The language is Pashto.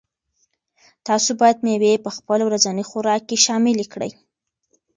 تاسو باید مېوې په خپل ورځني خوراک کې شاملې کړئ.